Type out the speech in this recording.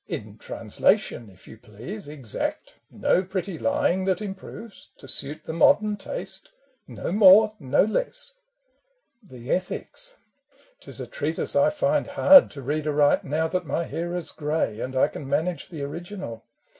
In translation, if you please^ Exact, no pretty lying that improves, To suit the modern taste : no more, no less — The " Ethics ": 't is a treatise I find hard To read aright now that my hair is grey, And I can manage the original.